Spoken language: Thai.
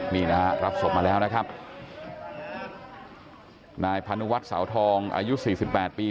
นี่นะฮะรับศพมาแล้วนะครับนายพานุวัฒน์เสาทองอายุสี่สิบแปดปี